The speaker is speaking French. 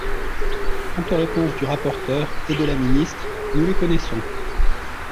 Quant aux réponses du rapporteur et de la ministre, nous les connaissons.